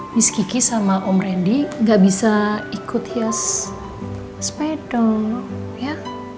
miss kiki sama om randy gak bisa ikut hias peda